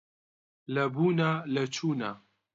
لە بوونا لە چوونا